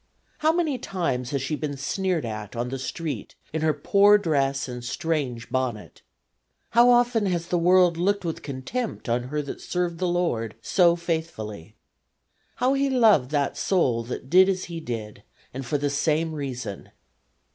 How many times has she been sneered at on the street in her poor dress and strange bonnet! How often has the world looked with contempt on her that served the Lord so faithfully. How He loved that soul that did as He did and for the same reason.